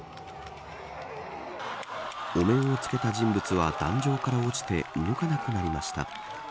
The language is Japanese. お面をつけた人物は壇上から落ちて動かなくなりました。